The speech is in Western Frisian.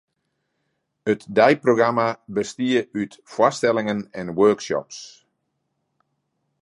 It deiprogramma bestie út foarstellingen en workshops.